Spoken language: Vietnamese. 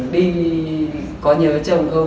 đi có nhớ chồng không